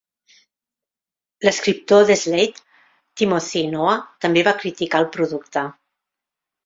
L'escriptor de "Slate", Timothy Noah, també va criticar el producte.